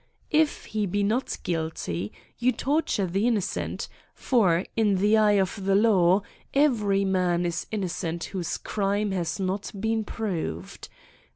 Jf he 6a AN ESSAY ON be not guilty, you torture the innocent ; for, iit the eye of the law, every man is innocent whose crime has not been proved.